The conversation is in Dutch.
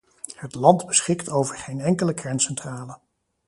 Het land beschikt over geen enkele kerncentrale.